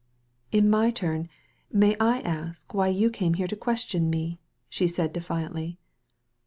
"In my turn, may I ask why you come here to question me ?" she said defiantly.